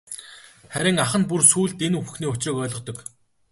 Харин ах нь бүр сүүлд энэ бүхний учрыг ойлгодог.